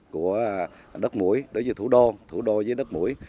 của đất mũi đối với thủ đô thủ đô với đất mũi